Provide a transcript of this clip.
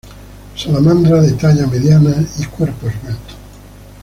Salamandra de talla mediana y cuerpo esbelto.